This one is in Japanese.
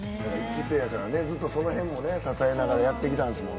１期生やからその辺も支えながらやってきたんだよね。